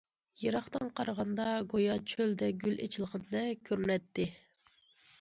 يىراقتىن قارىغاندا گويا چۆلدە گۈل ئېچىلغاندەك كۆرۈنەتتى.